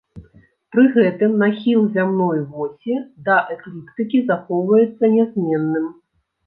Пры гэтым нахіл зямной восі да экліптыкі захоўваецца нязменным.